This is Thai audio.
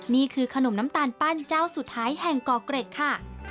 นี่คือขนมน้ำตาลปั้นเจ้าสุดท้ายแห่งก่อเกร็ดค่ะ